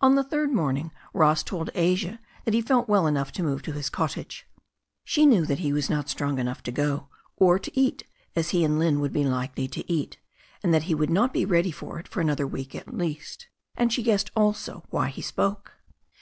On the third morning Ross told Asia that he felt well enough to move to his cottage. She knew that he was not strong enough to go, or to eat as he and Lynne would be likely to eat, and that he would not be ready for it for another week at least. And she guessed, also, why he spoke.